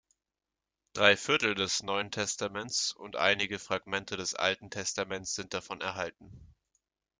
Dreiviertel des Neuen Testaments und einige Fragmente des Alten Testaments sind davon erhalten.